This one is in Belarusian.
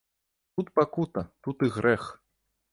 Тут пакута, тут і грэх!